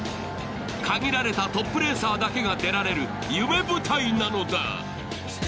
限られたトップレーサーだけが出られる夢舞台なのだ。